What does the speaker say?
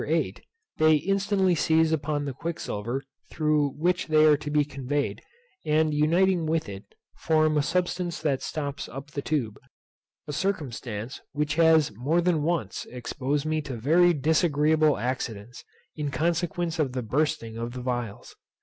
8, they instantly seize upon the quicksilver through which they are to be conveyed, and uniting with it, form a substance that stops up the tube: a circumstance which has more than once exposed me to very disagreeable accidents, in consequence of the bursting of the phials.